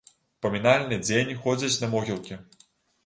У памінальны дзень ходзяць на могілкі.